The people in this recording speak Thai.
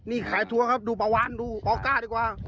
นี่ขายทัวร์ครับดูปลาวานดูออก้าดีกว่า